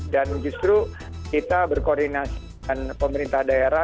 dan justru kita berkoordinasi dengan pemerintah daerah